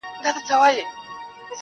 چي ته راتلې هيڅ يو قدم دې ساه نه درلوده,